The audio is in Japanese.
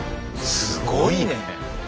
すごいね！